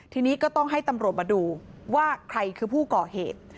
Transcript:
ทีนี้ก็ต้องให้ตำรวจมาดูว่าใครคือผู้ก่อเหตุ